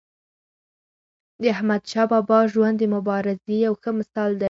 د احمدشاه بابا ژوند د مبارزې یو ښه مثال دی.